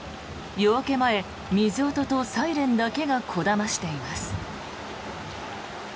夜明け前、水音とサイレンだけがこだましています。